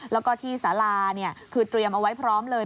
แล้วก็ที่สาราคือเตรียมเอาไว้พร้อมเลย